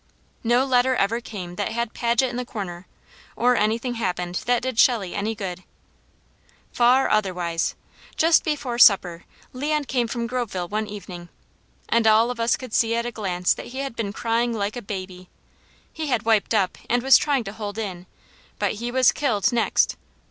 No letter ever came that had Paget in the corner, or anything happened that did Shelley any good. Far otherwise! Just before supper Leon came from Groveville one evening, and all of us could see at a glance that he had been crying like a baby. He had wiped up, and was trying to hold in, but he was killed, next.